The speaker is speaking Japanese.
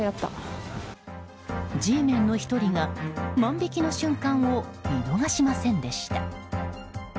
Ｇメンの１人が万引きの瞬間を見逃しませんでした。